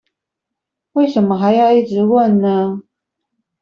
為什麼還要一直問呢？